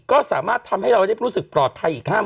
ก็สามารถทำให้เราได้รู้สึกปลอดฮัยอีก๕๐๐๐๐กว่าคน